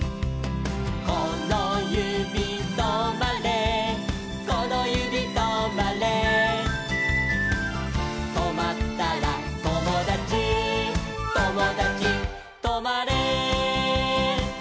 「このゆびとまれこのゆびとまれ」「とまったらともだちともだちとまれ」